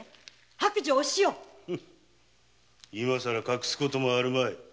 白状おしよ今更隠すこともあるまい。